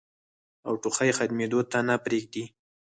او ټوخی ختمېدو ته نۀ پرېږدي